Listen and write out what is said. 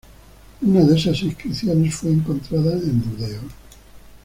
Una de esas inscripciones fue encontrada en Burdeos.